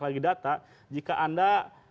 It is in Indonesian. lagi data jika anda